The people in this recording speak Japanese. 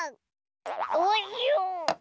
およ。